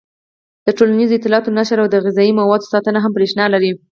د ټولنیزو اطلاعاتو نشر او د غذايي موادو ساتنه هم برېښنا لري.